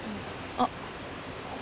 あっ！